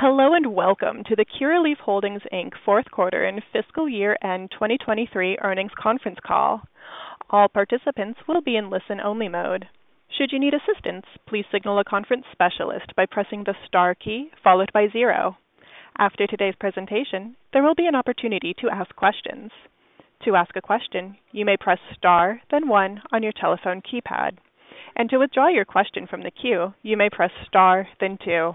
Hello, and welcome to the Curaleaf Holdings, Inc. fourth quarter and fiscal year end 2023 earnings conference call. All participants will be in listen-only mode. Should you need assistance, please signal a conference specialist by pressing the star key followed by zero. After today's presentation, there will be an opportunity to ask questions. To ask a question, you may press star, then one on your telephone keypad, and to withdraw your question from the queue, you may press star, then two.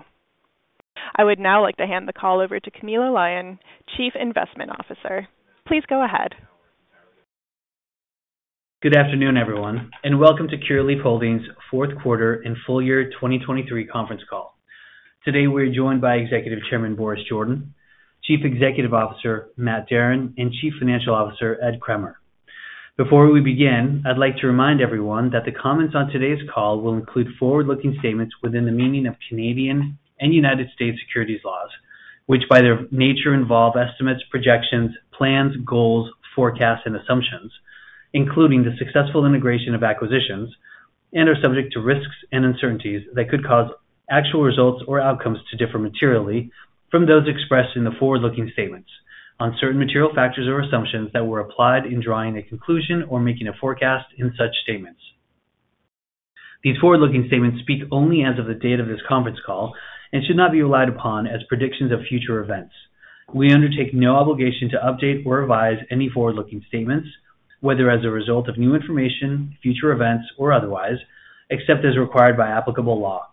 I would now like to hand the call over to Camilo Lyon, Chief Investment Officer. Please go ahead. Good afternoon, everyone, and welcome to Curaleaf Holdings fourth quarter and full year 2023 conference call. Today, we're joined by Executive Chairman, Boris Jordan, Chief Executive Officer, Matt Darin, and Chief Financial Officer, Ed Kremer. Before we begin, I'd like to remind everyone that the comments on today's call will include forward-looking statements within the meaning of Canadian and United States securities laws, which, by their nature, involve estimates, projections, plans, goals, forecasts, and assumptions, including the successful integration of acquisitions and are subject to risks and uncertainties that could cause actual results or outcomes to differ materially from those expressed in the forward-looking statements on certain material factors or assumptions that were applied in drawing a conclusion or making a forecast in such statements. These forward-looking statements speak only as of the date of this conference call and should not be relied upon as predictions of future events. We undertake no obligation to update or revise any forward-looking statements, whether as a result of new information, future events, or otherwise, except as required by applicable law.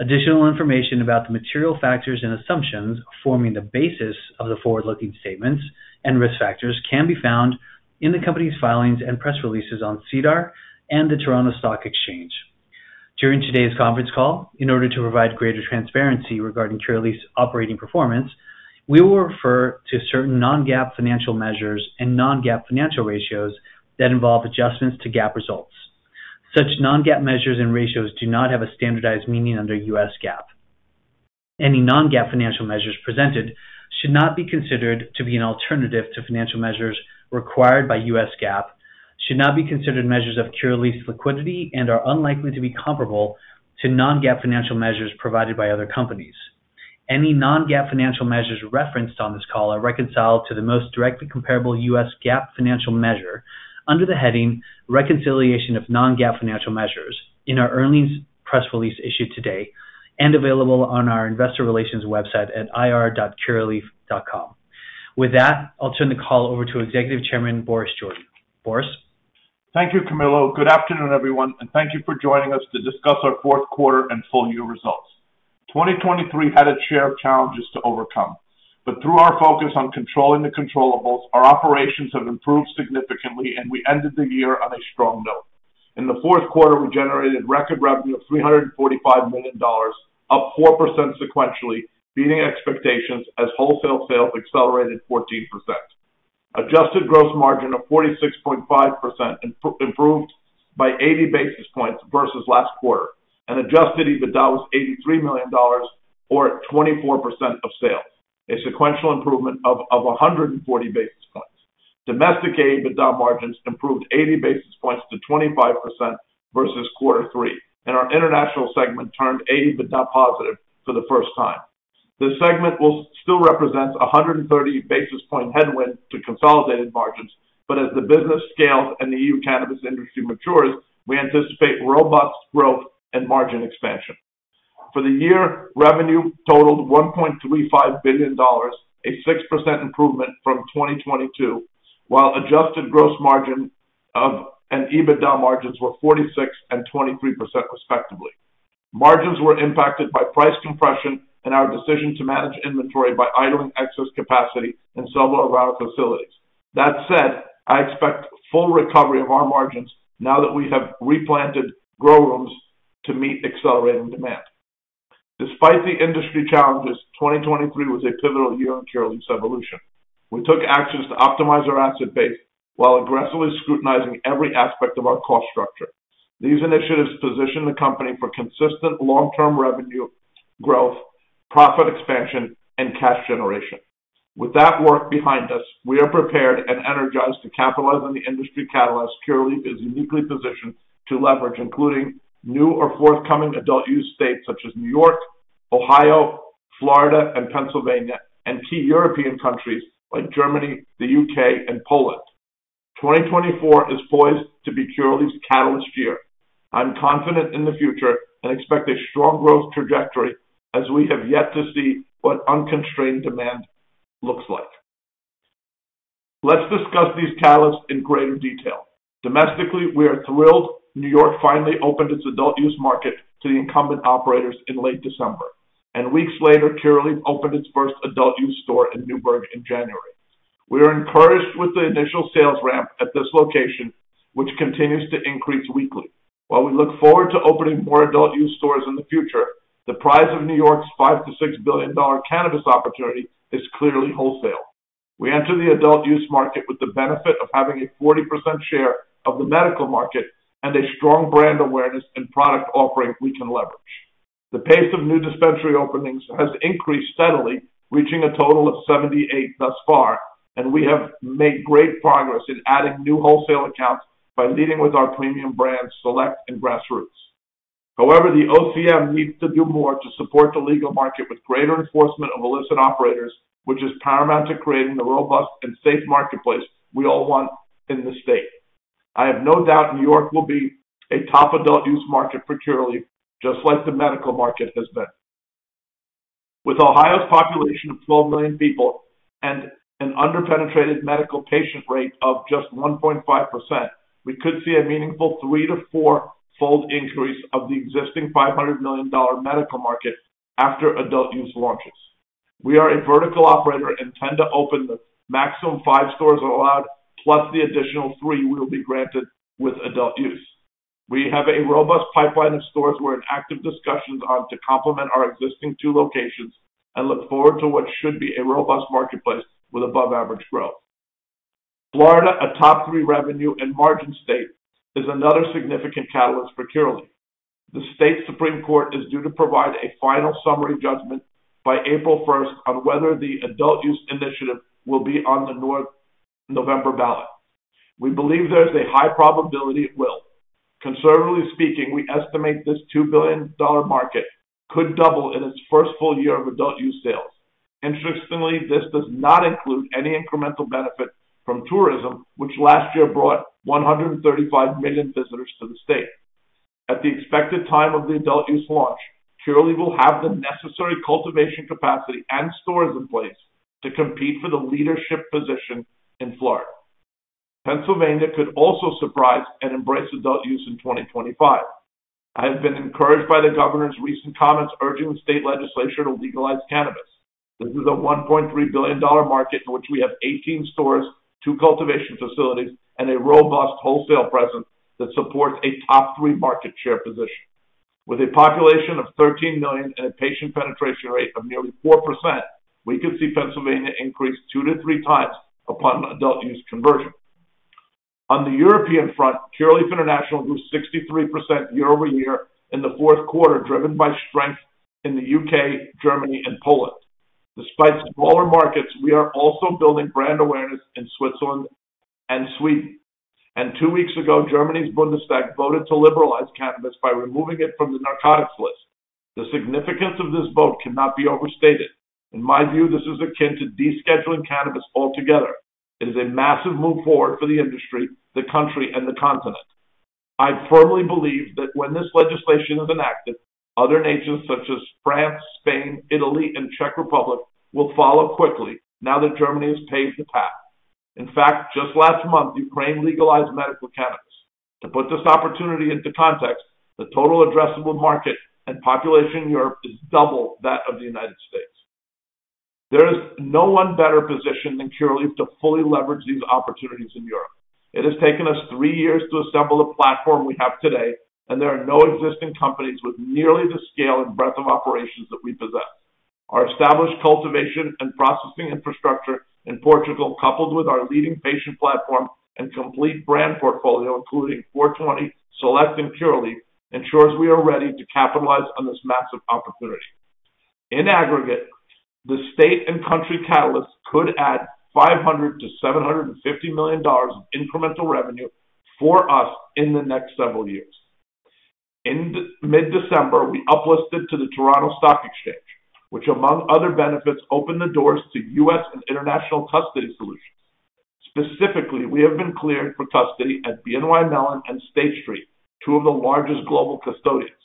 Additional information about the material factors and assumptions forming the basis of the forward-looking statements and risk factors can be found in the company's filings and press releases on SEDAR and the Toronto Stock Exchange. During today's conference call, in order to provide greater transparency regarding Curaleaf's operating performance, we will refer to certain non-GAAP financial measures and non-GAAP financial ratios that involve adjustments to GAAP results. Such non-GAAP measures and ratios do not have a standardized meaning under US GAAP. Any non-GAAP financial measures presented should not be considered to be an alternative to financial measures required by US GAAP, should not be considered measures of Curaleaf's liquidity, and are unlikely to be comparable to non-GAAP financial measures provided by other companies. Any non-GAAP financial measures referenced on this call are reconciled to the most directly comparable US GAAP financial measure under the heading Reconciliation of Non-GAAP Financial Measures in our earnings press release issued today and available on our investor relations website at ir.curaleaf.com. With that, I'll turn the call over to Executive Chairman, Boris Jordan. Boris? Thank you, Camilo. Good afternoon, everyone, and thank you for joining us to discuss our fourth quarter and full year results. 2023 had its share of challenges to overcome, but through our focus on controlling the controllables, our operations have improved significantly, and we ended the year on a strong note. In the fourth quarter, we generated record revenue of $345 million, up 4% sequentially, beating expectations as wholesale sales accelerated 14%. Adjusted gross margin of 46.5%, improved by 80 basis points versus last quarter, and adjusted EBITDA was $83 million or 24% of sales, a sequential improvement of 140 basis points. Domestic EBITDA margins improved 80 basis points to 25% versus quarter three, and our international segment turned EBITDA positive for the first time. This segment will still represent 130 basis point headwind to consolidated margins, but as the business scales and the EU cannabis industry matures, we anticipate robust growth and margin expansion. For the year, revenue totaled $1.35 billion, a 6% improvement from 2022, while adjusted gross margin of... and EBITDA margins were 46% and 23%, respectively. Margins were impacted by price compression and our decision to manage inventory by idling excess capacity in several of our facilities. That said, I expect full recovery of our margins now that we have replanted grow rooms to meet accelerating demand. Despite the industry challenges, 2023 was a pivotal year in Curaleaf's evolution. We took actions to optimize our asset base while aggressively scrutinizing every aspect of our cost structure. These initiatives position the company for consistent long-term revenue growth, profit expansion, and cash generation. With that work behind us, we are prepared and energized to capitalize on the industry catalyst Curaleaf is uniquely positioned to leverage, including new or forthcoming adult use states such as New York, Ohio, Florida, and Pennsylvania, and key European countries like Germany, the UK, and Poland. 2024 is poised to be Curaleaf's catalyst year. I'm confident in the future and expect a strong growth trajectory as we have yet to see what unconstrained demand looks like. Let's discuss these catalysts in greater detail. Domestically, we are thrilled New York finally opened its adult use market to the incumbent operators in late December, and weeks later, Curaleaf opened its first adult use store in Newburgh in January. We are encouraged with the initial sales ramp at this location, which continues to increase weekly. While we look forward to opening more adult use stores in the future, the prize of New York's $5-$6 billion cannabis opportunity is clearly wholesale. We enter the adult use market with the benefit of having a 40% share of the medical market and a strong brand awareness and product offering we can leverage. The pace of new dispensary openings has increased steadily, reaching a total of 78 thus far, and we have made great progress in adding new wholesale accounts by leading with our premium brands, Select and Grassroots.... However, the OCM needs to do more to support the legal market with greater enforcement of illicit operators, which is paramount to creating the robust and safe marketplace we all want in the state. I have no doubt New York will be a top adult use market for Curaleaf, just like the medical market has been. With Ohio's population of 12 million people and an under-penetrated medical patient rate of just 1.5%, we could see a meaningful 3- to 4-fold increase of the existing $500 million medical market after adult use launches. We are a vertical operator and tend to open the maximum 5 stores allowed, plus the additional 3 we will be granted with adult use. We have a robust pipeline of stores we're in active discussions on to complement our existing 2 locations, and look forward to what should be a robust marketplace with above average growth. Florida, a top 3 revenue and margin state, is another significant catalyst for Curaleaf. The state Supreme Court is due to provide a final summary judgment by April 1 on whether the adult use initiative will be on the November ballot. We believe there's a high probability it will. Conservatively speaking, we estimate this $2 billion market could double in its first full year of adult use sales. Interestingly, this does not include any incremental benefit from tourism, which last year brought 135 million visitors to the state. At the expected time of the adult use launch, Curaleaf will have the necessary cultivation capacity and stores in place to compete for the leadership position in Florida. Pennsylvania could also surprise and embrace adult use in 2025. I have been encouraged by the governor's recent comments urging the state legislature to legalize cannabis. This is a $1.3 billion market in which we have 18 stores, 2 cultivation facilities, and a robust wholesale presence that supports a top 3 market share position. With a population of 13 million and a patient penetration rate of nearly 4%, we could see Pennsylvania increase 2-3 times upon adult use conversion. On the European front, Curaleaf International grew 63% year-over-year in the fourth quarter, driven by strength in the U.K., Germany, and Poland. Despite smaller markets, we are also building brand awareness in Switzerland and Sweden. Two weeks ago, Germany's Bundestag voted to liberalize cannabis by removing it from the Narcotics list. The significance of this vote cannot be overstated. In my view, this is akin to de-scheduling cannabis altogether. It is a massive move forward for the industry, the country, and the continent. I firmly believe that when this legislation is enacted, other nations such as France, Spain, Italy, and Czech Republic will follow quickly now that Germany has paved the path. In fact, just last month, Ukraine legalized medical cannabis. To put this opportunity into context, the total addressable market and population in Europe is double that of the United States. There is no one better positioned than Curaleaf to fully leverage these opportunities in Europe. It has taken us three years to assemble the platform we have today, and there are no existing companies with nearly the scale and breadth of operations that we possess. Our established cultivation and processing infrastructure in Portugal, coupled with our leading patient platform and complete brand portfolio, including Four 20, Select, and Curaleaf, ensures we are ready to capitalize on this massive opportunity. In aggregate, the state and country catalysts could add $500 million-$750 million of incremental revenue for us in the next several years. In mid-December, we uplisted to the Toronto Stock Exchange, which, among other benefits, opened the doors to US and international custody solutions. Specifically, we have been cleared for custody at BNY Mellon and State Street, two of the largest global custodians.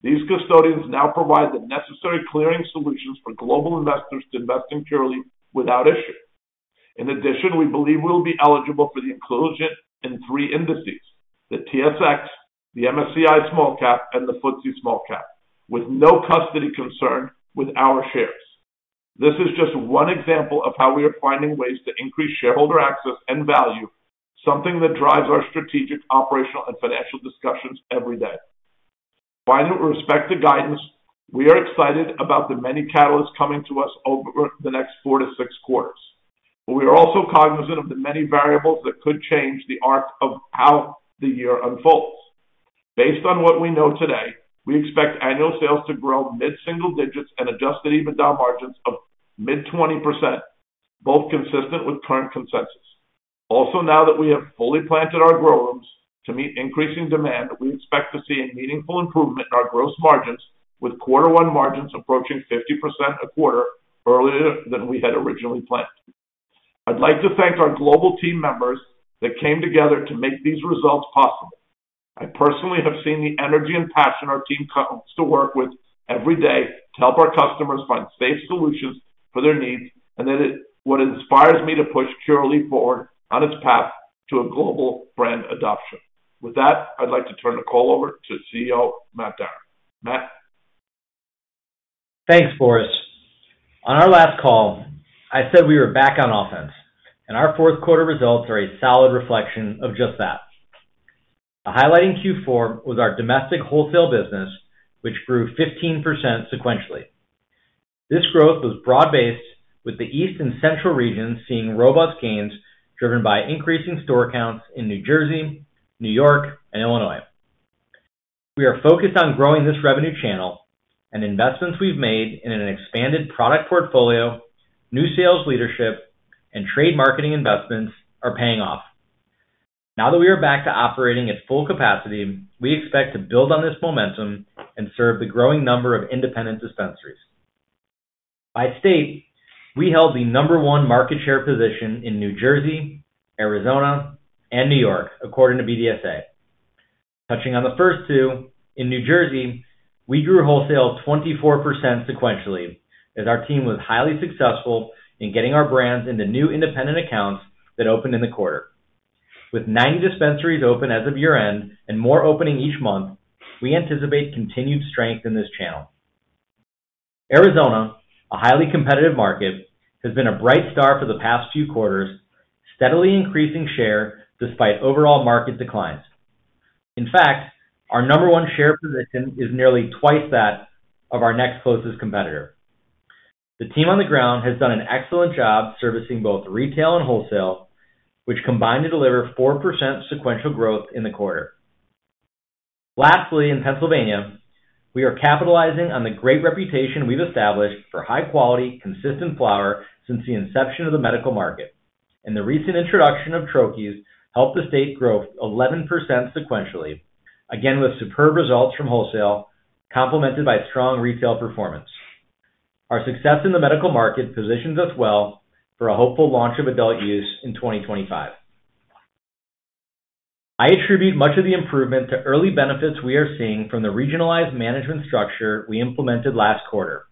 These custodians now provide the necessary clearing solutions for global investors to invest in Curaleaf without issue. In addition, we believe we will be eligible for the inclusion in three indices: the TSX, the MSCI Small Cap, and the FTSE Small Cap, with no custody concern with our shares. This is just one example of how we are finding ways to increase shareholder access and value, something that drives our strategic, operational, and financial discussions every day. While we respect the guidance, we are excited about the many catalysts coming to us over the next 4-6 quarters, but we are also cognizant of the many variables that could change the arc of how the year unfolds. Based on what we know today, we expect annual sales to grow mid-single digits and adjusted EBITDA margins of mid-20%, both consistent with current consensus. Also, now that we have fully planted our grow rooms to meet increasing demand, we expect to see a meaningful improvement in our gross margins, with Q1 margins approaching 50% a quarter earlier than we had originally planned. I'd like to thank our global team members that came together to make these results possible. I personally have seen the energy and passion our team comes to work with every day to help our customers find safe solutions for their needs, and that is what inspires me to push Curaleaf forward on its path to a global brand adoption. With that, I'd like to turn the call over to CEO, Matt Darin. Matt? Thanks, Boris. On our last call, I said we were back on offense, and our fourth quarter results are a solid reflection of just that. Highlighting Q4 was our domestic wholesale business, which grew 15% sequentially. This growth was broad-based, with the East and Central regions seeing robust gains, driven by increasing store counts in New Jersey, New York, and Illinois. We are focused on growing this revenue channel, and investments we've made in an expanded product portfolio, new sales leadership, and trade marketing investments are paying off. Now that we are back to operating at full capacity, we expect to build on this momentum and serve the growing number of independent dispensaries. By state, we held the number one market share position in New Jersey, Arizona, and New York, according to BDSA. Touching on the first two, in New Jersey, we grew wholesale 24% sequentially, as our team was highly successful in getting our brands into new independent accounts that opened in the quarter. With nine dispensaries open as of year-end and more opening each month, we anticipate continued strength in this channel. Arizona, a highly competitive market, has been a bright star for the past few quarters, steadily increasing share despite overall market declines. In fact, our number one share position is nearly twice that of our next closest competitor. The team on the ground has done an excellent job servicing both retail and wholesale, which combined to deliver 4% sequential growth in the quarter. Lastly, in Pennsylvania, we are capitalizing on the great reputation we've established for high-quality, consistent flower since the inception of the medical market, and the recent introduction of troches helped the state grow 11% sequentially, again, with superb results from wholesale, complemented by strong retail performance. Our success in the medical market positions us well for a hopeful launch of adult use in 2025. I attribute much of the improvement to early benefits we are seeing from the regionalized management structure we implemented last quarter.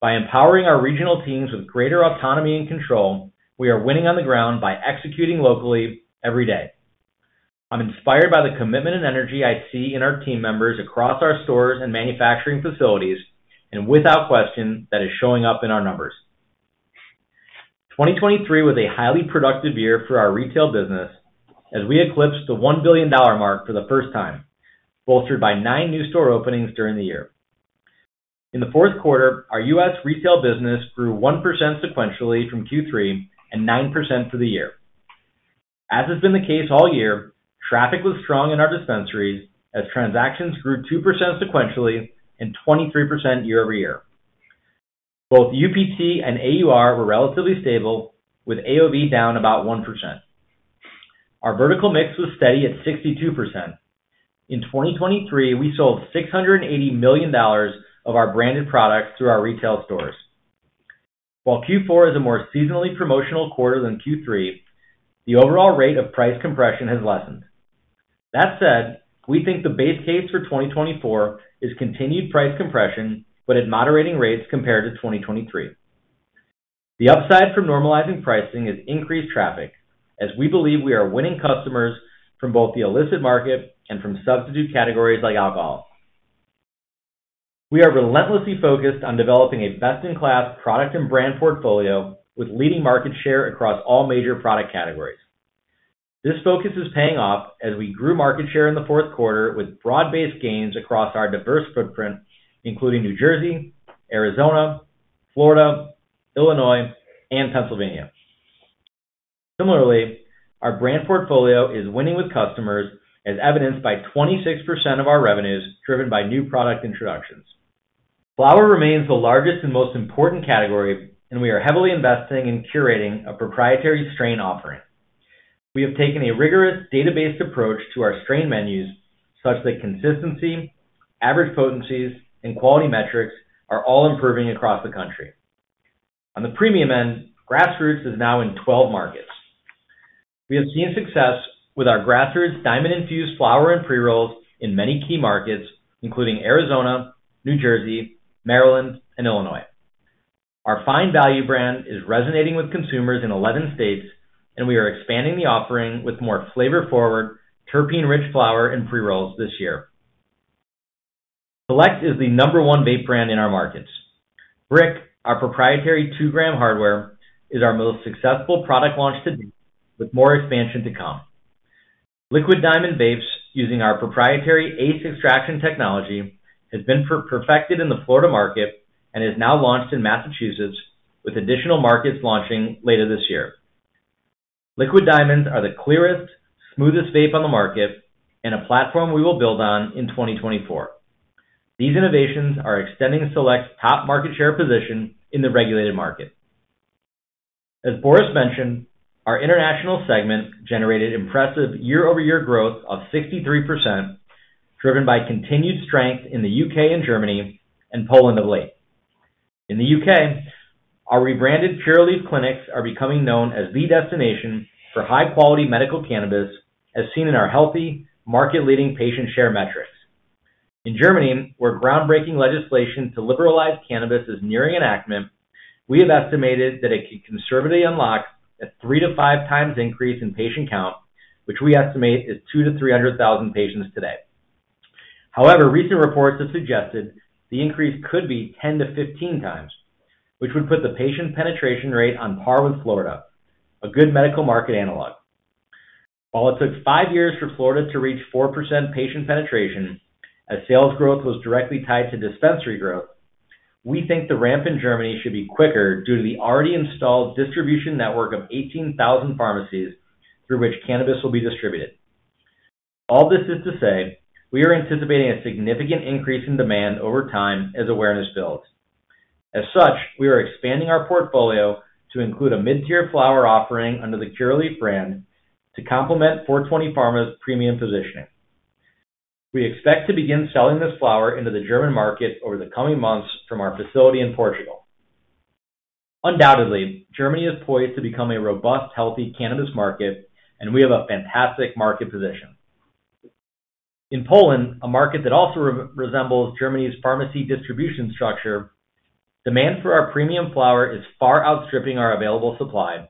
By empowering our regional teams with greater autonomy and control, we are winning on the ground by executing locally every day. I'm inspired by the commitment and energy I see in our team members across our stores and manufacturing facilities, and without question, that is showing up in our numbers. 2023 was a highly productive year for our retail business as we eclipsed the $1 billion mark for the first time, bolstered by nine new store openings during the year. In the fourth quarter, our US retail business grew 1% sequentially from Q3 and 9% for the year. As has been the case all year, traffic was strong in our dispensaries as transactions grew 2% sequentially and 23% year-over-year. Both UPT and AUR were relatively stable, with AOV down about 1%. Our vertical mix was steady at 62%. In 2023, we sold $680 million of our branded products through our retail stores. While Q4 is a more seasonally promotional quarter than Q3, the overall rate of price compression has lessened. That said, we think the base case for 2024 is continued price compression, but at moderating rates compared to 2023. The upside from normalizing pricing is increased traffic, as we believe we are winning customers from both the illicit market and from substitute categories like alcohol. We are relentlessly focused on developing a best-in-class product and brand portfolio with leading market share across all major product categories. This focus is paying off as we grew market share in the fourth quarter with broad-based gains across our diverse footprint, including New Jersey, Arizona, Florida, Illinois, and Pennsylvania. Similarly, our brand portfolio is winning with customers, as evidenced by 26% of our revenues driven by new product introductions. Flower remains the largest and most important category, and we are heavily investing in curating a proprietary strain offering. We have taken a rigorous data-based approach to our strain menus such that consistency, average potencies, and quality metrics are all improving across the country. On the premium end, Grassroots is now in 12 markets. We have seen success with our Grassroots diamond-infused flower and pre-rolls in many key markets, including Arizona, New Jersey, Maryland, and Illinois. Our Find value brand is resonating with consumers in 11 states, and we are expanding the offering with more flavor-forward, terpene-rich flower and pre-rolls this year. Select is the number one vape brand in our markets. Briq, our proprietary 2-gram hardware, is our most successful product launch to date, with more expansion to come. Liquid Diamond vapes, using our proprietary ACE extraction technology, has been perfected in the Florida market and is now launched in Massachusetts, with additional markets launching later this year. Liquid diamonds are the clearest, smoothest vape on the market and a platform we will build on in 2024. These innovations are extending Select's top market share position in the regulated market. As Boris mentioned, our international segment generated impressive year-over-year growth of 63%, driven by continued strength in the UK and Germany, and Poland of late. In the UK, our rebranded Curaleaf clinics are becoming known as the destination for high-quality medical cannabis, as seen in our healthy, market-leading patient share metrics. In Germany, where groundbreaking legislation to liberalize cannabis is nearing enactment, we have estimated that it could conservatively unlock a 3-5 times increase in patient count, which we estimate is 200,000-300,000 patients today. However, recent reports have suggested the increase could be 10-15 times, which would put the patient penetration rate on par with Florida, a good medical market analog. While it took 5 years for Florida to reach 4% patient penetration, as sales growth was directly tied to dispensary growth, we think the ramp in Germany should be quicker due to the already installed distribution network of 18,000 pharmacies through which cannabis will be distributed. All this is to say, we are anticipating a significant increase in demand over time as awareness builds. As such, we are expanding our portfolio to include a mid-tier flower offering under the Curaleaf brand to complement Four20 Pharma's premium positioning. We expect to begin selling this flower into the German market over the coming months from our facility in Portugal. Undoubtedly, Germany is poised to become a robust, healthy cannabis market, and we have a fantastic market position. In Poland, a market that also resembles Germany's pharmacy distribution structure, demand for our premium flower is far outstripping our available supply,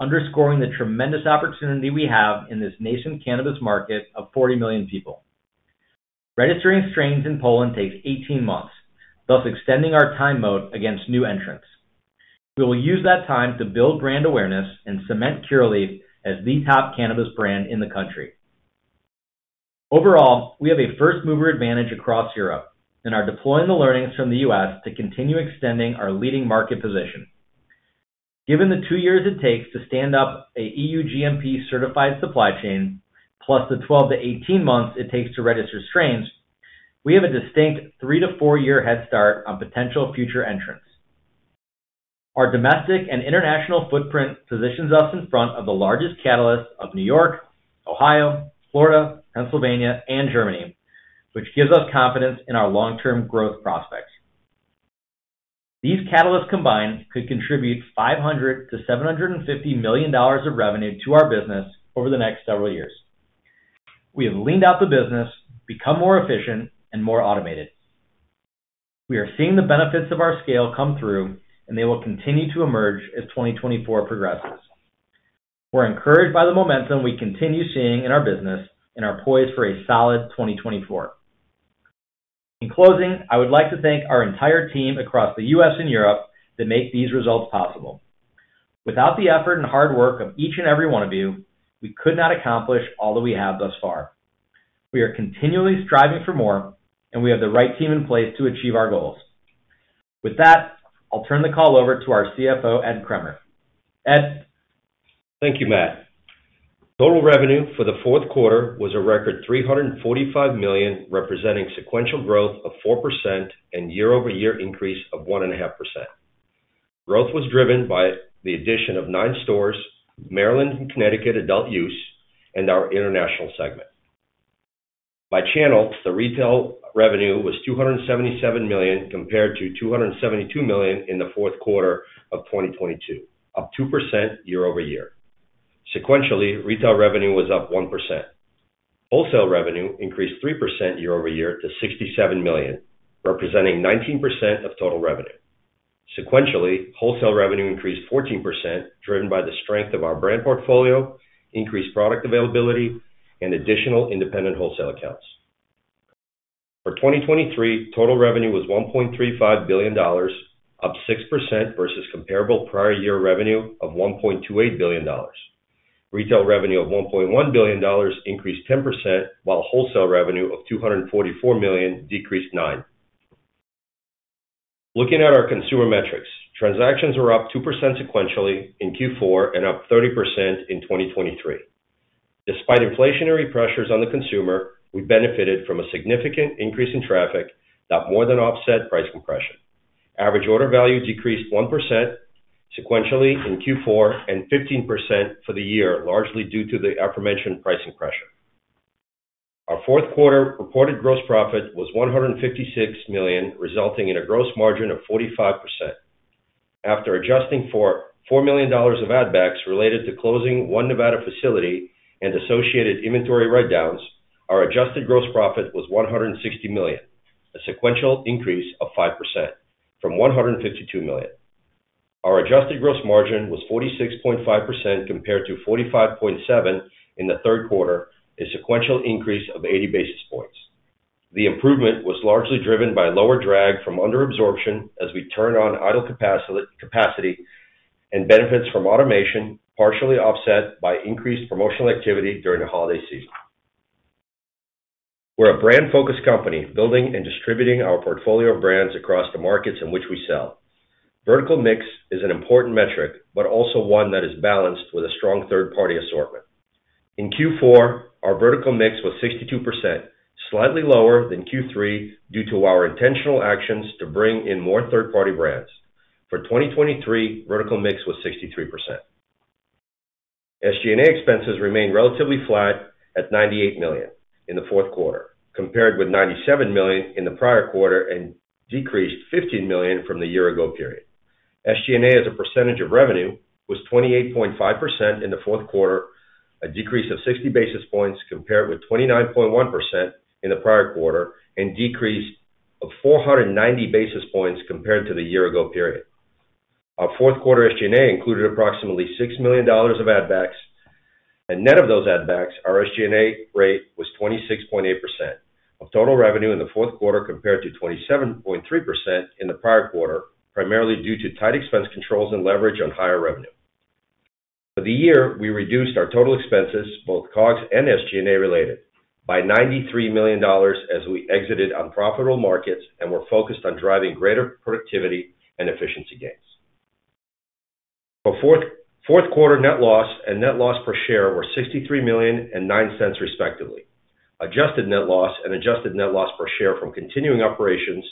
underscoring the tremendous opportunity we have in this nation's cannabis market of 40 million people. Registering strains in Poland takes 18 months, thus extending our moat against new entrants. We will use that time to build brand awareness and cement Curaleaf as the top cannabis brand in the country. Overall, we have a first-mover advantage across Europe and are deploying the learnings from the U.S. to continue extending our leading market position. Given the two years it takes to stand up a EU GMP-certified supply chain, plus the 12-18 months it takes to register strains, we have a distinct three- to four-year head start on potential future entrants. Our domestic and international footprint positions us in front of the largest catalyst of New York, Ohio, Florida, Pennsylvania, and Germany, which gives us confidence in our long-term growth prospects. These catalysts combined could contribute $500 million-$750 million of revenue to our business over the next several years. We have leaned out the business, become more efficient and more automated. We are seeing the benefits of our scale come through, and they will continue to emerge as 2024 progresses. We're encouraged by the momentum we continue seeing in our business and are poised for a solid 2024. In closing, I would like to thank our entire team across the U.S. and Europe that make these results possible. Without the effort and hard work of each and every one of you, we could not accomplish all that we have thus far. We are continually striving for more, and we have the right team in place to achieve our goals. With that, I'll turn the call over to our CFO, Ed Kremer. Ed? Thank you, Matt. Total revenue for the fourth quarter was a record $345 million, representing sequential growth of 4% and year-over-year increase of 1.5%. Growth was driven by the addition of 9 stores, Maryland and Connecticut adult use, and our international segment. By channel, the retail revenue was $277 million, compared to $272 million in the fourth quarter of 2022, up 2% year-over-year. Sequentially, retail revenue was up 1%. Wholesale revenue increased 3% year-over-year to $67 million, representing 19% of total revenue. Sequentially, wholesale revenue increased 14%, driven by the strength of our brand portfolio, increased product availability, and additional independent wholesale accounts. For 2023, total revenue was $1.35 billion, up 6% versus comparable prior year revenue of $1.28 billion. Retail revenue of $1.1 billion increased 10%, while wholesale revenue of $244 million decreased 9%. Looking at our consumer metrics, transactions were up 2% sequentially in Q4 and up 30% in 2023. Despite inflationary pressures on the consumer, we benefited from a significant increase in traffic that more than offset price compression. Average order value decreased 1% sequentially in Q4 and 15% for the year, largely due to the aforementioned pricing pressure. Our fourth quarter reported gross profit was $156 million, resulting in a gross margin of 45%. After adjusting for $4 million of add backs related to closing one Nevada facility and associated inventory write-downs, our adjusted gross profit was $160 million, a sequential increase of 5% from $152 million. Our adjusted gross margin was 46.5% compared to 45.7% in the third quarter, a sequential increase of 80 basis points. The improvement was largely driven by lower drag from under absorption as we turned on idle capacity and benefits from automation, partially offset by increased promotional activity during the holiday season. We're a brand-focused company, building and distributing our portfolio of brands across the markets in which we sell. Vertical mix is an important metric, but also one that is balanced with a strong third-party assortment. In Q4, our vertical mix was 62%, slightly lower than Q3, due to our intentional actions to bring in more third-party brands. For 2023, vertical mix was 63%. SG&A expenses remained relatively flat at $98 million in the fourth quarter, compared with $97 million in the prior quarter and decreased $15 million from the year ago period. SG&A, as a percentage of revenue, was 28.5% in the fourth quarter, a decrease of 60 basis points compared with 29.1% in the prior quarter, and decreased of 490 basis points compared to the year ago period. Our fourth quarter SG&A included approximately $6 million of add backs, and net of those add backs, our SG&A rate was 26.8% of total revenue in the fourth quarter, compared to 27.3% in the prior quarter, primarily due to tight expense controls and leverage on higher revenue. For the year, we reduced our total expenses, both COGS and SG&A-related, by $93 million as we exited unprofitable markets and we're focused on driving greater productivity and efficiency gains. So fourth quarter net loss and net loss per share were $63 million and $0.09, respectively. Adjusted net loss and adjusted net loss per share from continuing operations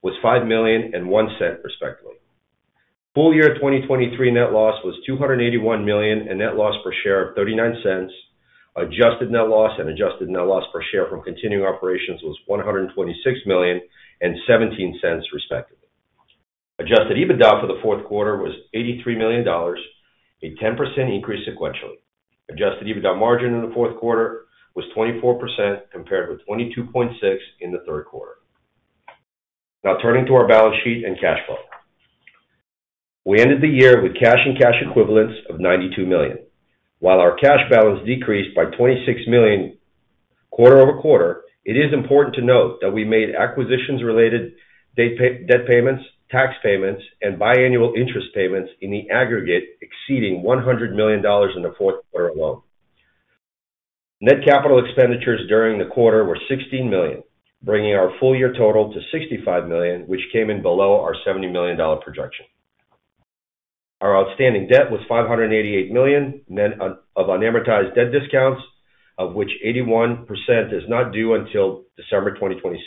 was $5 million and $0.01, respectively. Full year 2023 net loss was $281 million, and net loss per share of $0.39. Adjusted net loss and adjusted net loss per share from continuing operations was $126 million and $0.17, respectively. Adjusted EBITDA for the fourth quarter was $83 million, a 10% increase sequentially. Adjusted EBITDA margin in the fourth quarter was 24%, compared with 22.6% in the third quarter. Now turning to our balance sheet and cash flow. We ended the year with cash and cash equivalents of $92 million. While our cash balance decreased by $26 million quarter-over-quarter, it is important to note that we made acquisition-related debt payments, tax payments, and biannual interest payments in the aggregate, exceeding $100 million in the fourth quarter alone. Net capital expenditures during the quarter were $16 million, bringing our full-year total to $65 million, which came in below our $70 million projection. Our outstanding debt was $588 million, net of unamortized debt discounts, of which 81% is not due until December 2026.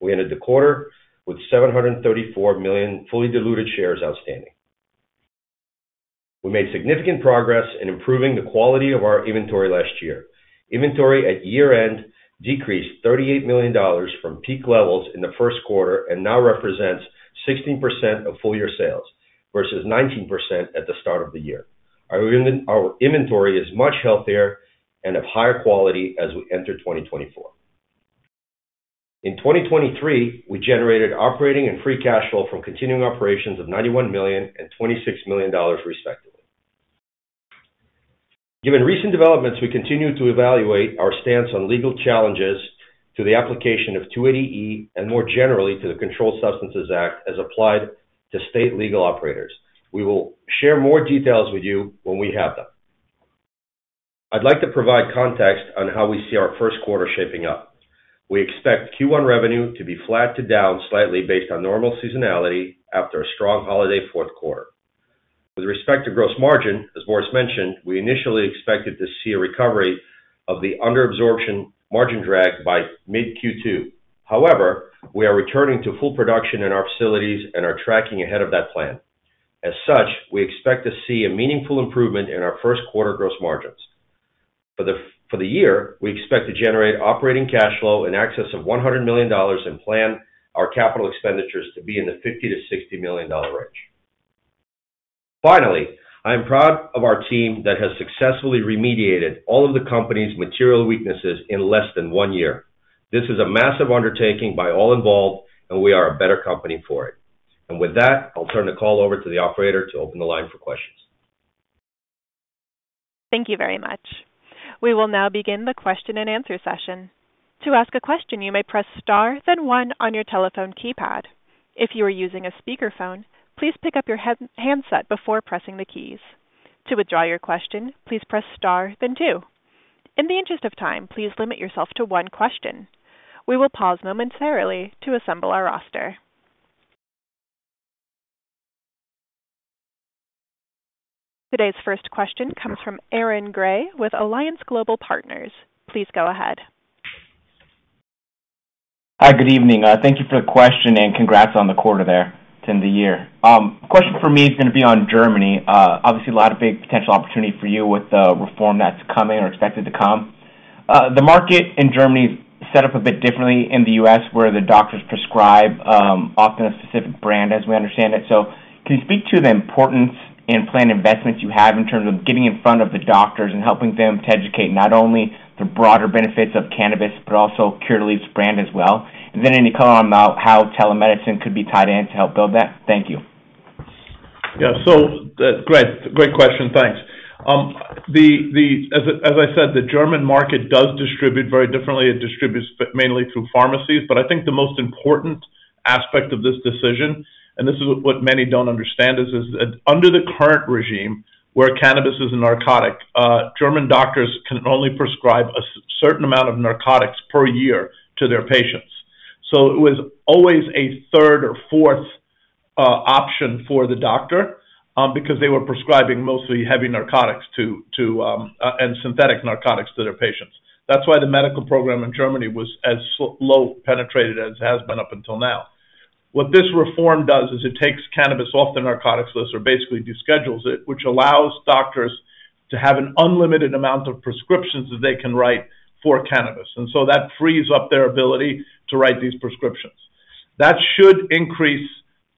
We ended the quarter with 734 million fully diluted shares outstanding. We made significant progress in improving the quality of our inventory last year. Inventory at year-end decreased $38 million from peak levels in the first quarter, and now represents 16% of full year sales versus 19% at the start of the year. Our inventory is much healthier and of higher quality as we enter 2024. In 2023, we generated operating and free cash flow from continuing operations of $91 million and $26 million, respectively. Given recent developments, we continue to evaluate our stance on legal challenges to the application of 280E, and more generally, to the Controlled Substances Act as applied to state legal operators. We will share more details with you when we have them. I'd like to provide context on how we see our first quarter shaping up. We expect Q1 revenue to be flat to down slightly based on normal seasonality after a strong holiday fourth quarter. With respect to gross margin, as Boris mentioned, we initially expected to see a recovery of the under absorption margin drag by mid Q2. However, we are returning to full production in our facilities and are tracking ahead of that plan. As such, we expect to see a meaningful improvement in our first quarter gross margins. For the year, we expect to generate operating cash flow in excess of $100 million and plan our capital expenditures to be in the $50-$60 million range. Finally, I am proud of our team that has successfully remediated all of the company's material weaknesses in less than 1 year. This is a massive undertaking by all involved, and we are a better company for it. With that, I'll turn the call over to the operator to open the line for questions. Thank you very much. We will now begin the question and answer session. To ask a question, you may press star, then one on your telephone keypad. If you are using a speakerphone, please pick up your handset before pressing the keys. To withdraw your question, please press star then two. In the interest of time, please limit yourself to one question. We will pause momentarily to assemble our roster. Today's first question comes from Aaron Gray with Alliance Global Partners. Please go ahead. Hi, good evening. Thank you for the question, and congrats on the quarter there and the year. Question for me is going to be on Germany. Obviously a lot of big potential opportunity for you with the reform that's coming or expected to come. The market in Germany is set up a bit differently in the US, where the doctors prescribe, often a specific brand, as we understand it. So can you speak to the importance in planned investments you have in terms of getting in front of the doctors and helping them to educate not only the broader benefits of cannabis, but also Curaleaf's brand as well? And then any color on about how telemedicine could be tied in to help build that? Thank you. Yeah. So, great. Great question. Thanks. As I said, the German market does distribute very differently. It distributes mainly through pharmacies. But I think the most important aspect of this decision, and this is what many don't understand, is that under the current regime, where cannabis is a narcotic, German doctors can only prescribe a certain amount of narcotics per year to their patients. So it was always a third or fourth option for the doctor, because they were prescribing mostly heavy narcotics and synthetic narcotics to their patients. That's why the medical program in Germany was as low penetrated as it has been up until now. What this reform does is it takes cannabis off the narcotics list or basically deschedules it, which allows doctors to have an unlimited amount of prescriptions that they can write for cannabis, and so that frees up their ability to write these prescriptions. That should increase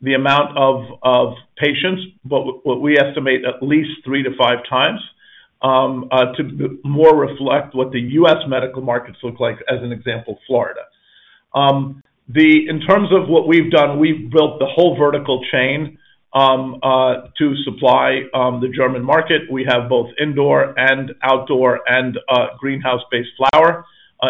the amount of patients, but what we estimate at least three to five times, to more reflect what the U.S. medical markets look like, as an example, Florida. In terms of what we've done, we've built the whole vertical chain, to supply the German market. We have both indoor and outdoor and greenhouse-based flower.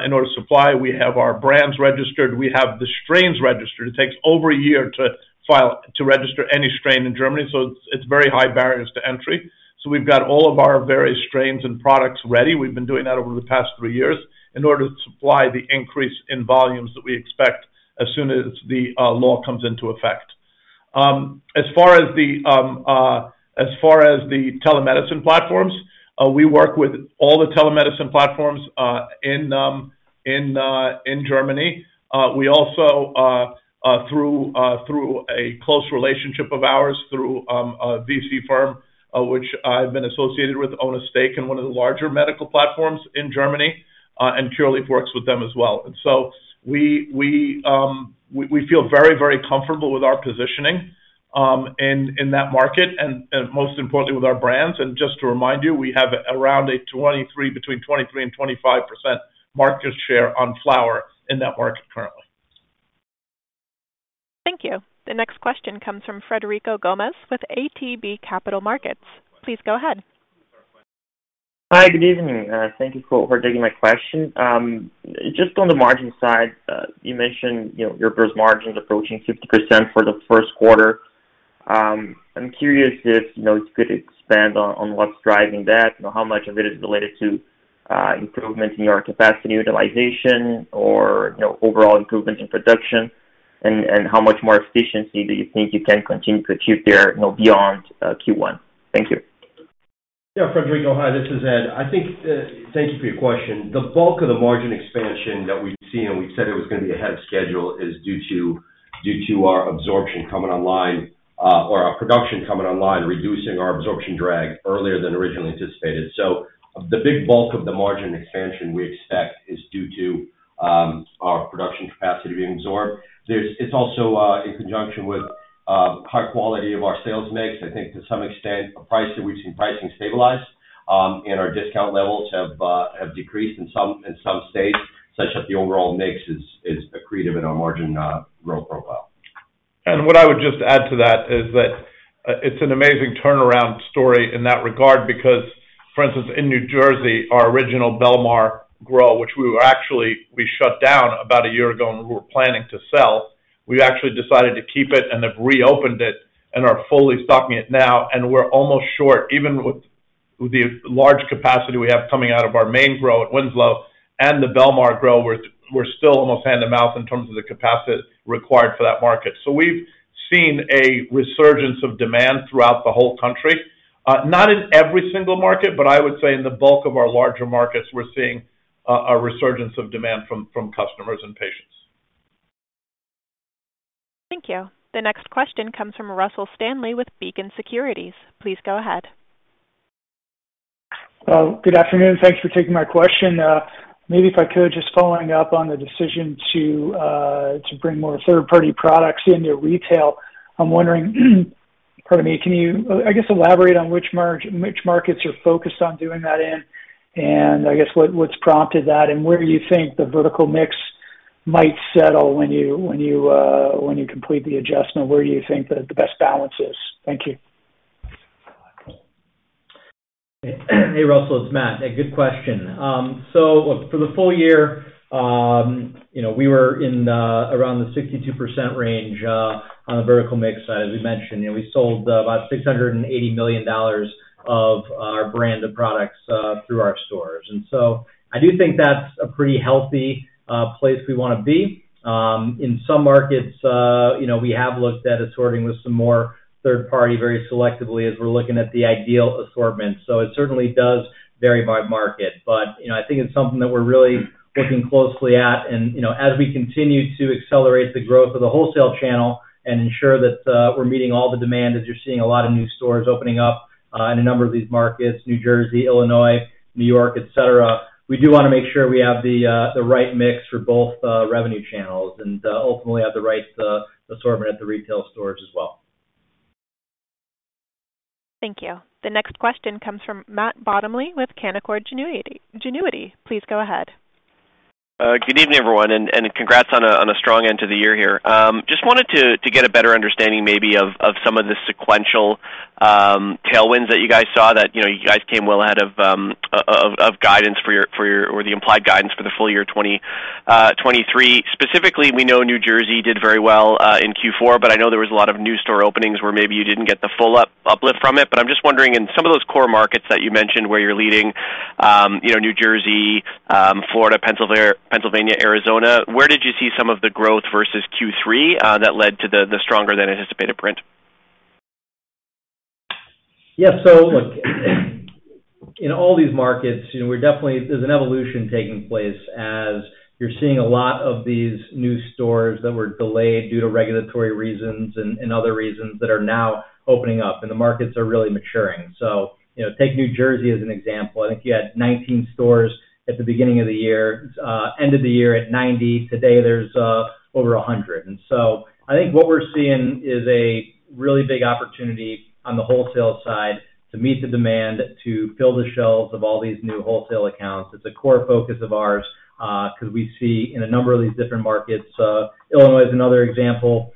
In order to supply, we have our brands registered, we have the strains registered. It takes over a year to file, to register any strain in Germany, so it's very high barriers to entry. So we've got all of our various strains and products ready. We've been doing that over the past three years in order to supply the increase in volumes that we expect-... as soon as the law comes into effect. As far as the telemedicine platforms, we work with all the telemedicine platforms in Germany. We also through a close relationship of ours, through a VC firm, which I've been associated with, own a stake in one of the larger medical platforms in Germany, and Curaleaf works with them as well. And so we feel very, very comfortable with our positioning in that market and most importantly, with our brands. And just to remind you, we have around a 23, between 23%-25% market share on flower in that market currently. Thank you. The next question comes from Frederico Gomes with ATB Capital Markets. Please go ahead. Hi, good evening. Thank you for taking my question. Just on the margin side, you mentioned, you know, your gross margins approaching 50% for the first quarter. I'm curious if, you know, you could expand on what's driving that and how much of it is related to improvements in your capacity utilization or, you know, overall improvement in production, and how much more efficiency do you think you can continue to achieve there, you know, beyond Q1? Thank you. Yeah, Frederico, hi, this is Ed. I think, thank you for your question. The bulk of the margin expansion that we've seen, and we've said it was gonna be ahead of schedule, is due to our absorption coming online or our production coming online, reducing our absorption drag earlier than originally anticipated. So the big bulk of the margin expansion we expect is due to our production capacity being absorbed. It's also in conjunction with high quality of our sales mix. I think to some extent, a price that we've seen pricing stabilize, and our discount levels have decreased in some in some states, such that the overall mix is accretive in our margin growth profile. And what I would just add to that is that, it's an amazing turnaround story in that regard, because, for instance, in New Jersey, our original Belmar grow, which we were actually. We shut down about a year ago, and we were planning to sell. We actually decided to keep it and have reopened it and are fully stocking it now, and we're almost short, even with the large capacity we have coming out of our main grow at Winslow and the Belmar grow, we're still almost hand-to-mouth in terms of the capacity required for that market. So we've seen a resurgence of demand throughout the whole country. Not in every single market, but I would say in the bulk of our larger markets, we're seeing a resurgence of demand from customers and patients. Thank you. The next question comes from Russell Stanley with Beacon Securities. Please go ahead. Good afternoon. Thanks for taking my question. Maybe if I could, just following up on the decision to bring more third-party products into retail. I'm wondering, pardon me, can you, I guess, elaborate on which markets you're focused on doing that in? And I guess, what's prompted that, and where do you think the vertical mix might settle when you complete the adjustment, where do you think the best balance is? Thank you. Hey, Russell, it's Matt. A good question. So for the full year, you know, we were in, around the 62% range, on the Vertical Mix side. As we mentioned, you know, we sold about $680 million of our branded products, through our stores. And so I do think that's a pretty healthy, place we wanna be. In some markets, you know, we have looked at assorting with some more third-party, very selectively, as we're looking at the ideal assortment. So it certainly does vary by market. But, you know, I think it's something that we're really looking closely at. You know, as we continue to accelerate the growth of the wholesale channel and ensure that we're meeting all the demand, as you're seeing a lot of new stores opening up in a number of these markets, New Jersey, Illinois, New York, et cetera, we do wanna make sure we have the right mix for both revenue channels and ultimately have the right assortment at the retail stores as well. Thank you. The next question comes from Matt Bottomley with Canaccord Genuity. Please go ahead. Good evening, everyone, and congrats on a strong end to the year here. Just wanted to get a better understanding maybe of some of the sequential tailwinds that you guys saw, that, you know, you guys came well ahead of guidance for your... or the implied guidance for the full year 2023. Specifically, we know New Jersey did very well in Q4, but I know there was a lot of new store openings where maybe you didn't get the full uplift from it. But I'm just wondering, in some of those core markets that you mentioned, where you're leading, you know, New Jersey, Florida, Pennsylvania, Arizona, where did you see some of the growth versus Q3 that led to the stronger than anticipated print? Yeah. So look, in all these markets, you know, we're definitely, there's an evolution taking place as you're seeing a lot of these new stores that were delayed due to regulatory reasons and other reasons that are now opening up, and the markets are really maturing. So, you know, take New Jersey as an example. I think you had 19 stores at the beginning of the year, end of the year at 90. Today, there's over 100. And so I think what we're seeing is a really big opportunity on the wholesale side to meet the demand, to fill the shelves of all these new wholesale accounts. It's a core focus of ours, because we see in a number of these different markets, Illinois is another example,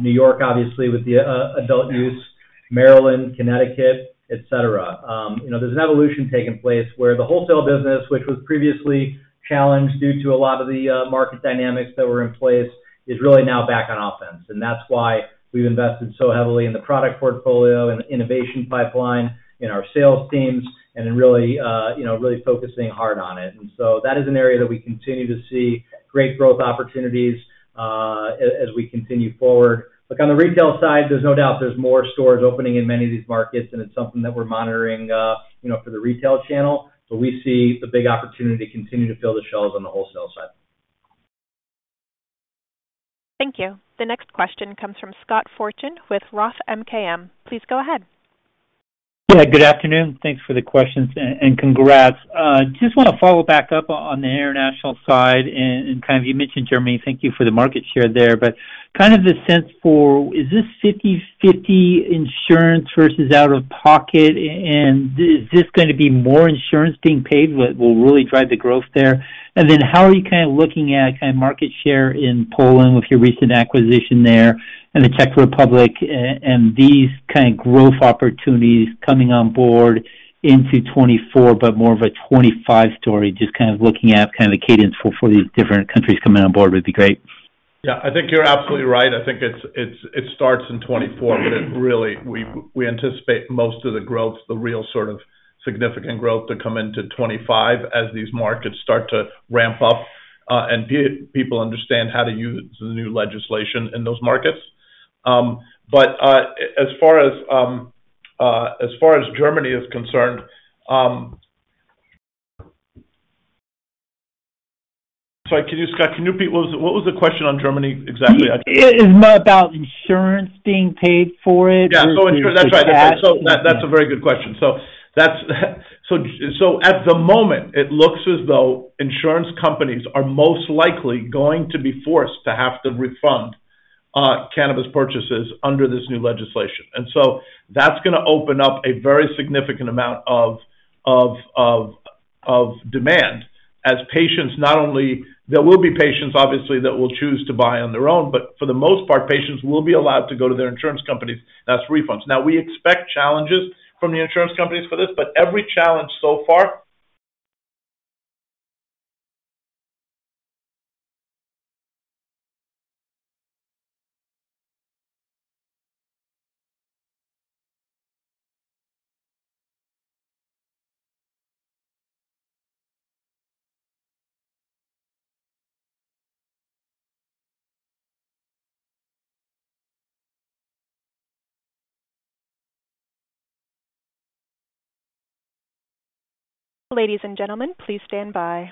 New York, obviously, with the adult use, Maryland, Connecticut, et cetera. You know, there's an evolution taking place where the wholesale business, which was previously challenged due to a lot of the market dynamics that were in place, is really now back on offense. And that's why we've invested so heavily in the product portfolio and innovation pipeline, in our sales teams, and in really, really focusing hard on it. And so that is an area that we continue to see great growth opportunities as we continue forward. Look, on the retail side, there's no doubt there's more stores opening in many of these markets, and it's something that we're monitoring, you know, for the retail channel. But we see the big opportunity to continue to fill the shelves on the wholesale side. Thank you. The next question comes from Scott Fortune with ROTH MKM. Please go ahead. Yeah, good afternoon. Thanks for the questions, and congrats. Just want to follow back up on the international side and kind of you mentioned Germany. Thank you for the market share there. But kind of the sense for, is this 50/50 insurance versus out-of-pocket, and is this going to be more insurance being paid what will really drive the growth there? And then how are you kind of looking at kind of market share in Poland with your recent acquisition there and the Czech Republic, and these kind of growth opportunities coming on board into 2024, but more of a 2025 story, just kind of looking at kind of the cadence for these different countries coming on board would be great. Yeah, I think you're absolutely right. I think it starts in 2024, but it really, we anticipate most of the growth, the real sort of significant growth to come into 2025 as these markets start to ramp up, and people understand how to use the new legislation in those markets. But, as far as Germany is concerned... Sorry, can you, Scott, can you repeat? What was, what was the question on Germany exactly? It is more about insurance being paid for it. Yeah, so insurance. That's right. So that's a very good question. So at the moment, it looks as though insurance companies are most likely going to be forced to have to refund cannabis purchases under this new legislation. And so that's going to open up a very significant amount of demand as patients not only... There will be patients, obviously, that will choose to buy on their own, but for the most part, patients will be allowed to go to their insurance companies, that's refunds. Now, we expect challenges from the insurance companies for this, but every challenge so far- Ladies and gentlemen, please stand by.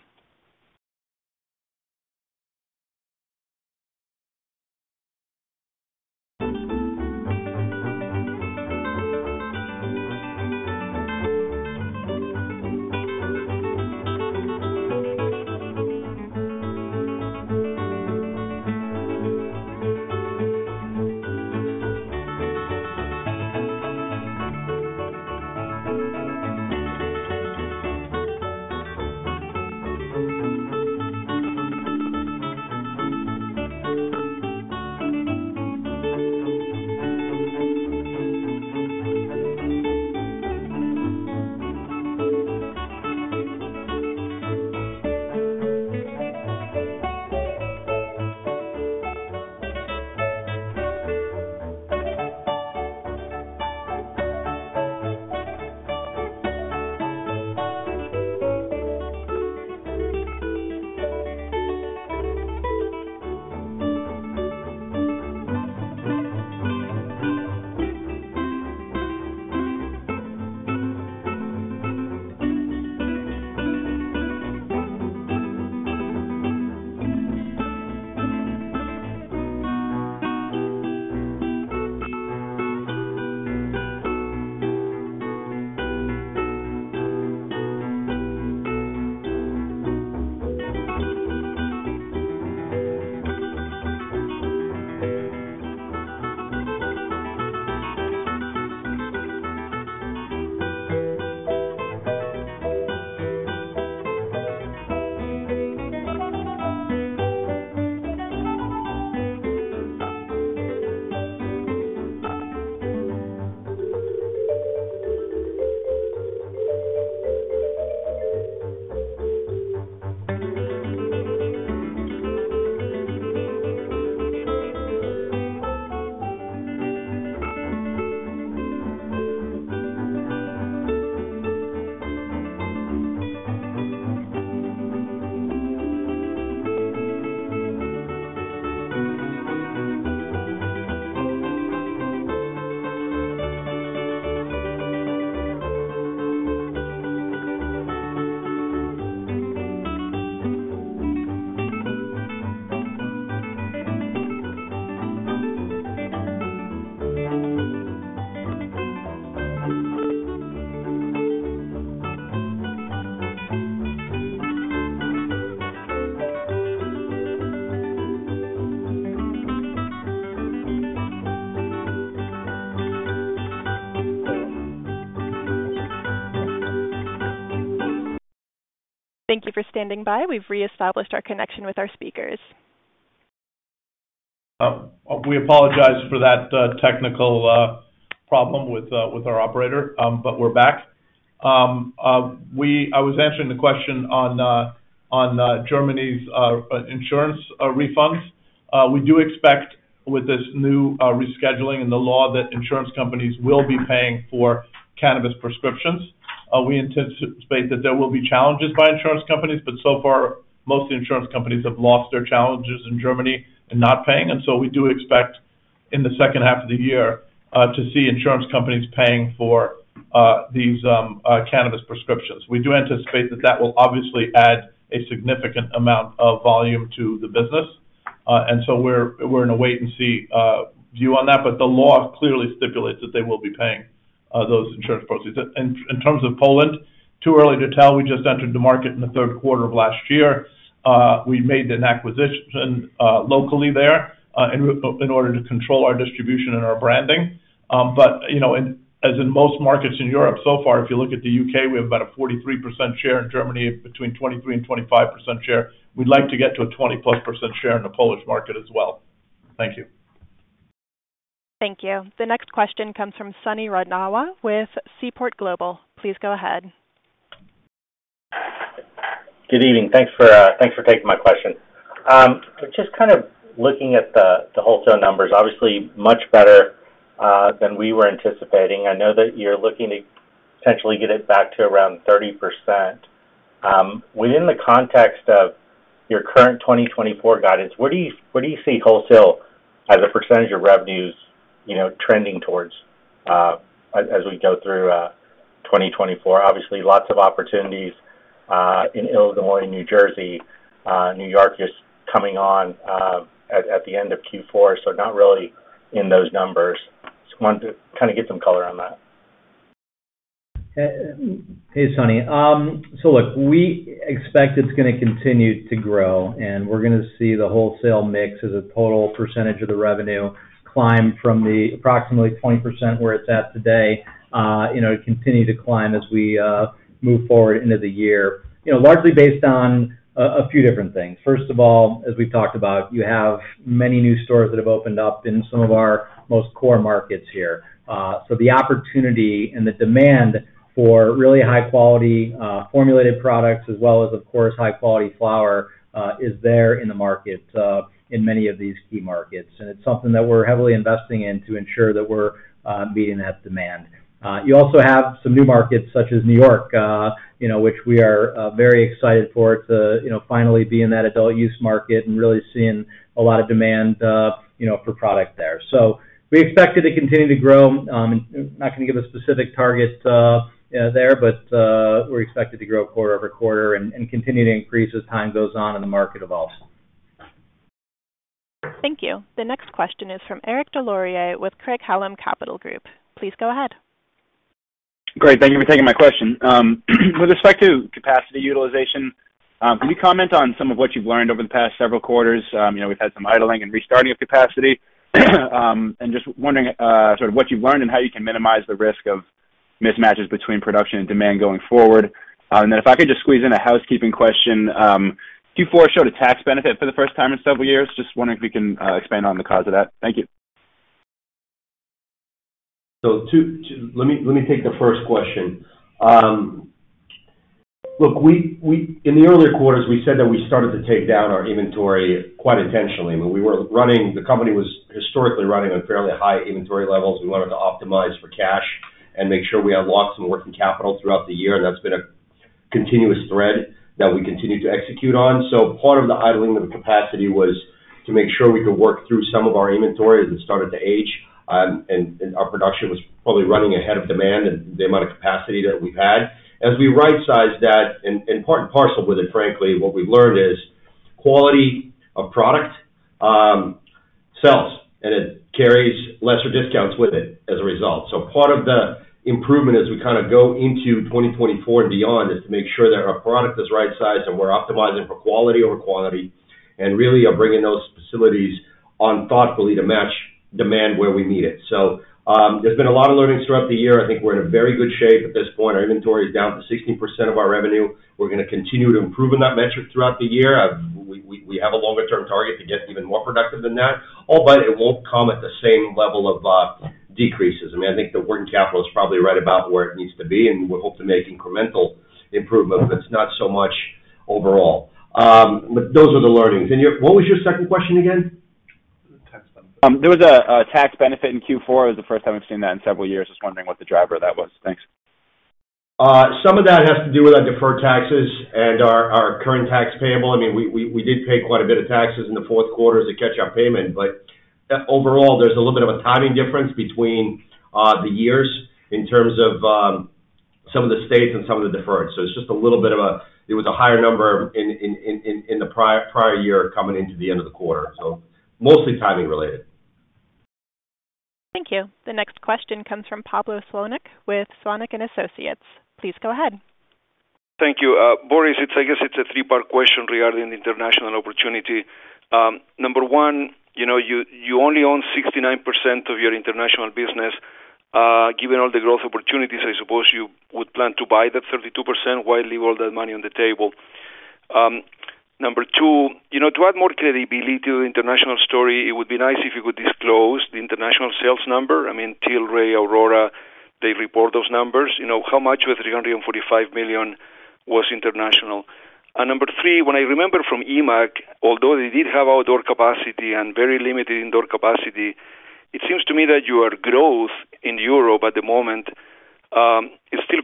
Thank you for standing by. We've reestablished our connection with our speakers. We apologize for that technical problem with our operator, but we're back. I was answering the question on Germany's insurance refunds. We do expect with this new rescheduling and the law, that insurance companies will be paying for cannabis prescriptions. We anticipate that there will be challenges by insurance companies, but so far, most insurance companies have lost their challenges in Germany in not paying, and so we do expect-... in the second half of the year, to see insurance companies paying for these cannabis prescriptions. We do anticipate that that will obviously add a significant amount of volume to the business. And so we're in a wait and see view on that, but the law clearly stipulates that they will be paying those insurance policies. In terms of Poland, too early to tell, we just entered the market in the third quarter of last year. We made an acquisition locally there in order to control our distribution and our branding. But you know, as in most markets in Europe so far, if you look at the UK, we have about a 43% share. In Germany, between 23% and 25% share. We'd like to get to a 20%+ share in the Polish market as well. Thank you. Thank you. The next question comes from Sonny Randhawa with Seaport Global. Please go ahead. Good evening. Thanks for taking my question. Just kind of looking at the wholesale numbers, obviously much better than we were anticipating. I know that you're looking to potentially get it back to around 30%. Within the context of your current 2024 guidance, where do you see wholesale as a percentage of revenues, you know, trending towards as we go through 2024? Obviously, lots of opportunities in Illinois, New Jersey, New York just coming on at the end of Q4, so not really in those numbers. Just wanted to kind of get some color on that. Hey, Sonny. So look, we expect it's gonna continue to grow, and we're gonna see the wholesale mix as a total percentage of the revenue climb from the approximately 20% where it's at today, you know, continue to climb as we move forward into the year. You know, largely based on a few different things. First of all, as we've talked about, you have many new stores that have opened up in some of our most core markets here. So the opportunity and the demand for really high quality formulated products, as well as, of course, high quality flower, is there in the market in many of these key markets. And it's something that we're heavily investing in to ensure that we're meeting that demand. You also have some new markets, such as New York, you know, which we are very excited for to finally be in that adult-use market and really seeing a lot of demand, you know, for product there. So we expect it to continue to grow. I'm not gonna give a specific target there, but we're expected to grow quarter-over-quarter and continue to increase as time goes on and the market evolves. Thank you. The next question is from Eric Des Lauriers with Craig-Hallum Capital Group. Please go ahead. Great. Thank you for taking my question. With respect to capacity utilization, can you comment on some of what you've learned over the past several quarters? You know, we've had some idling and restarting of capacity. And just wondering, sort of what you've learned and how you can minimize the risk of mismatches between production and demand going forward. And then if I could just squeeze in a housekeeping question, Q4 showed a tax benefit for the first time in several years. Just wondering if we can expand on the cause of that. Thank you. Let me take the first question. Look, we in the earlier quarters, we said that we started to take down our inventory quite intentionally. When we were running, the company was historically running on fairly high inventory levels. We wanted to optimize for cash and make sure we had lots of working capital throughout the year, and that's been a continuous thread that we continued to execute on. So part of the idling of the capacity was to make sure we could work through some of our inventory as it started to age, and our production was probably running ahead of demand and the amount of capacity that we had. As we rightsize that, and part and parcel with it, frankly, what we've learned is, quality of product sells, and it carries lesser discounts with it as a result. So part of the improvement as we kind of go into 2024 and beyond, is to make sure that our product is rightsized and we're optimizing for quality over quantity, and really are bringing those facilities on thoughtfully to match demand where we need it. So, there's been a lot of learnings throughout the year. I think we're in a very good shape at this point. Our inventory is down to 16% of our revenue. We're gonna continue to improve on that metric throughout the year. We have a longer-term target to get even more productive than that, although it won't come at the same level of decreases. I mean, I think the working capital is probably right about where it needs to be, and we hope to make incremental improvement, but it's not so much overall. But those are the learnings. Your... What was your second question again? There was a tax benefit in Q4. It was the first time we've seen that in several years. Just wondering what the driver of that was? Thanks. Some of that has to do with our deferred taxes and our current tax payable. I mean, we did pay quite a bit of taxes in the fourth quarter as a catch-up payment, but overall, there's a little bit of a timing difference between the years in terms of some of the states and some of the deferred. So it's just a little bit of a, it was a higher number in the prior year coming into the end of the quarter. So mostly timing related. Thank you. The next question comes from Pablo Zuanic with Zuanic & Associates. Please go ahead. Thank you. Boris, it's, I guess it's a three-part question regarding the international opportunity. Number one, you know, you only own 69% of your international business. Given all the growth opportunities, I suppose you would plan to buy that 32%. Why leave all that money on the table? Number two, you know, to add more credibility to the international story, it would be nice if you could disclose the international sales number. I mean, Tilray, Aurora, they report those numbers. You know, how much of the $345 million was international? And number three, when I remember from EMMAC, although they did have outdoor capacity and very limited indoor capacity, it seems to me that your growth in Europe at the moment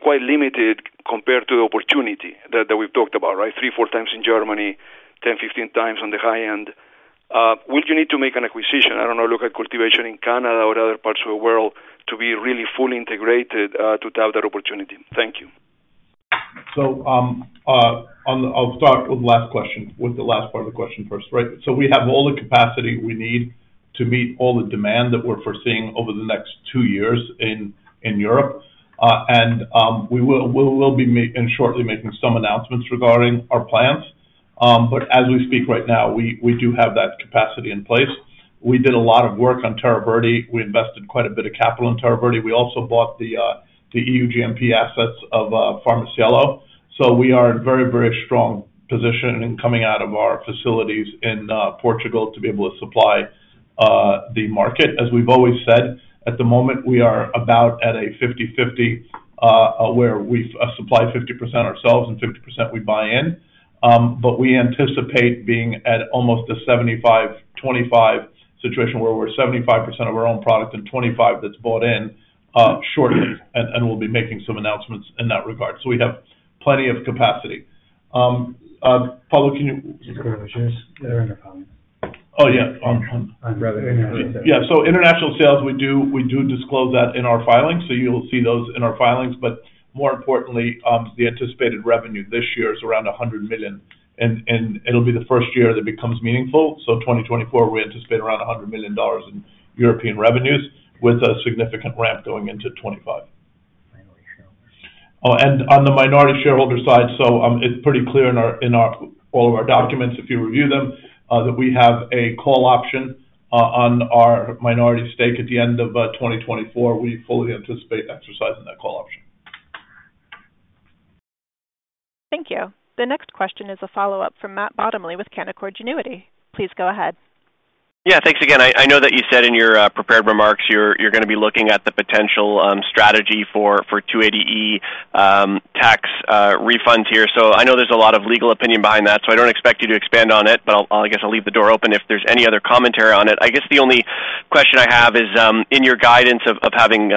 quite limited compared to the opportunity that we've talked about, right? 3, 4 times in Germany, 10, 15 times on the high end. Will you need to make an acquisition? I don't know, look at cultivation in Canada or other parts of the world to be really fully integrated, to have that opportunity. Thank you. So, I'll start with the last question, with the last part of the question first, right? So we have all the capacity we need to meet all the demand that we're foreseeing over the next two years in Europe. And we will be making, shortly making some announcements regarding our plans. But as we speak right now, we do have that capacity in place. We did a lot of work on Terra Verde. We invested quite a bit of capital in Terra Verde. We also bought the EU GMP assets of PharmaCielo. So we are in very, very strong position in coming out of our facilities in Portugal to be able to supply the market. As we've always said, at the moment, we are about at a 50/50, where we've supplied 50% ourselves and 50% we buy in. But we anticipate being at almost a 75/25 situation where we're 75% of our own product and 25 that's bought in, shortly, and we'll be making some announcements in that regard. So we have plenty of capacity. Pablo, can you-... Oh, yeah. I'd rather- Yeah, so international sales, we do disclose that in our filings, so you'll see those in our filings. But more importantly, the anticipated revenue this year is around $100 million, and it'll be the first year that becomes meaningful. So 2024, we anticipate around $100 million in European revenues, with a significant ramp going into 2025. Minority shareholder. Oh, and on the minority shareholder side, so, it's pretty clear in all of our documents, if you review them, that we have a call option on our minority stake at the end of 2024. We fully anticipate exercising that call option. Thank you. The next question is a follow-up from Matt Bottomley with Canaccord Genuity. Please go ahead. Yeah, thanks again. I, I know that you said in your, prepared remarks, you're, you're gonna be looking at the potential, strategy for, for 280E, tax, refunds here. So I know there's a lot of legal opinion behind that, so I don't expect you to expand on it, but I'll, I'll guess I'll leave the door open if there's any other commentary on it. I guess the only question I have is, in your guidance of, of having,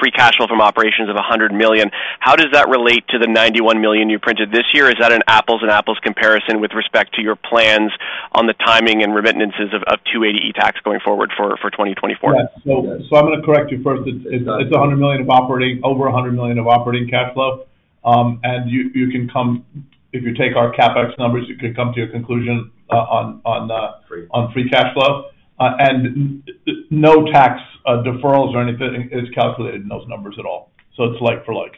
free cash flow from operations of $100 million, how does that relate to the $91 million you printed this year? Is that an apples and apples comparison with respect to your plans on the timing and remittances of, of 280E tax going forward for, for 2024? Yeah. So I'm gonna correct you first. It's $100 million of operating... over $100 million of operating cash flow. And you can come, if you take our CapEx numbers, you could come to a conclusion on free cash flow. And no tax deferrals or anything is calculated in those numbers at all. So it's like for like.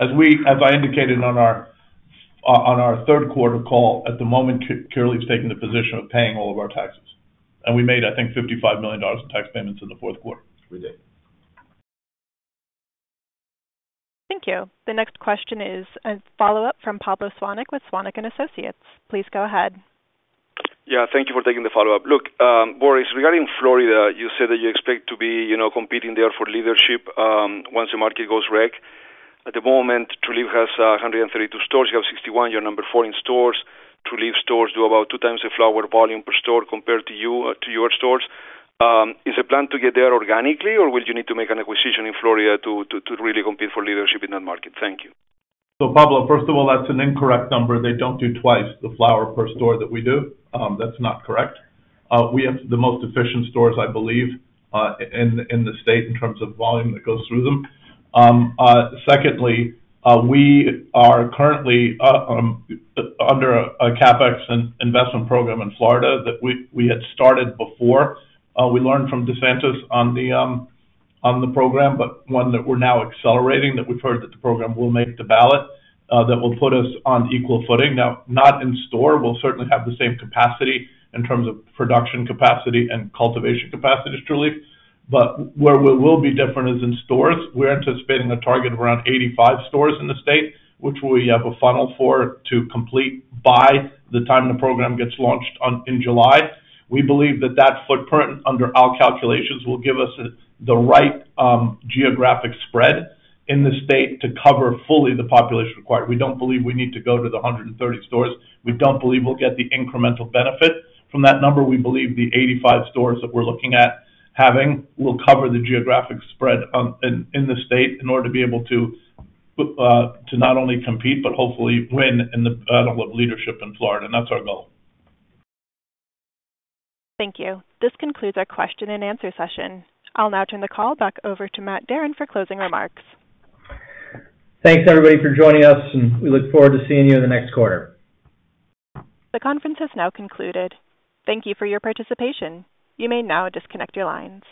As I indicated on our third quarter call, at the moment, Trulieve's taking the position of paying all of our taxes, and we made, I think, $55 million in tax payments in the fourth quarter. We did. Thank you. The next question is a follow-up from Pablo Zuanic with Zuanic & Associates. Please go ahead. Yeah, thank you for taking the follow-up. Look, Boris, regarding Florida, you said that you expect to be, you know, competing there for leadership, once the market goes rec. At the moment, Trulieve has 132 stores. You have 61. You're number 4 in stores. Trulieve stores do about 2x the flower volume per store compared to you, to your stores. Is the plan to get there organically, or will you need to make an acquisition in Florida to really compete for leadership in that market? Thank you. So, Pablo, first of all, that's an incorrect number. They don't do twice the flower per store that we do. That's not correct. We have the most efficient stores, I believe, in the state, in terms of volume that goes through them. Secondly, we are currently under a CapEx investment program in Florida that we had started before. We learned from DeSantis on the program, but one that we're now accelerating, that we've heard that the program will make the ballot, that will put us on equal footing. Now, not in store. We'll certainly have the same capacity in terms of production capacity and cultivation capacity as Trulieve, but where we will be different is in stores. We're anticipating a target of around 85 stores in the state, which we have a funnel for, to complete by the time the program gets launched in July. We believe that that footprint, under our calculations, will give us the right geographic spread in the state to cover fully the population required. We don't believe we need to go to the 130 stores. We don't believe we'll get the incremental benefit from that number. We believe the 85 stores that we're looking at having will cover the geographic spread in the state in order to be able to not only compete, but hopefully win with leadership in Florida, and that's our goal. Thank you. This concludes our question and answer session. I'll now turn the call back over to Matt Darin for closing remarks. Thanks, everybody, for joining us, and we look forward to seeing you in the next quarter. The conference has now concluded. Thank you for your participation. You may now disconnect your line.